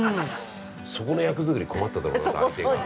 そこの役作り、困っただろうな相手が。